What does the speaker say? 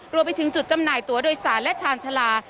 รวมไปถึงจุดจำหน่ายตัวโดยสารและชาญชาลา